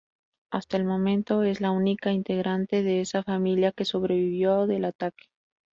Hasta el momento, es la única integrante de esa familia que sobrevivió del ataque.